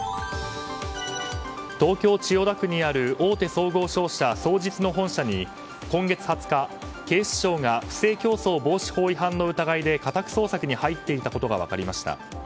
東京・千代田区にある大手総合商社双日の本社に、今月２０日警視庁が不正競争防止法違反の疑いで家宅捜索に入っていたことが分かりました。